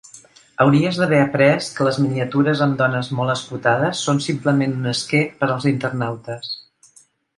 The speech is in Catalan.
Hauries d'haver après que les miniatures amb dones molt escotades són simplement un esquer per als internautes.